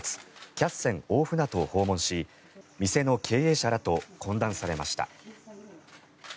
キャッセン大船渡を訪問し店の経営者らと懇談されました。